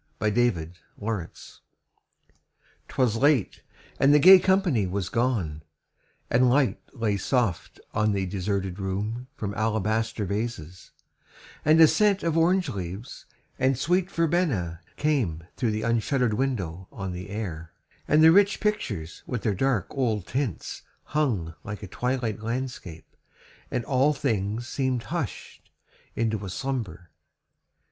THE DECLARATION. 'Twas late, and the gay company was gone, And light lay soft on the deserted room From alabaster vases, and a scent Of orange leaves, and sweet verbena came Through the unshutter'd window on the air, And the rich pictures with their dark old tints Hung like a twilight landscape, and all things Seem'd hush'd into a slumber.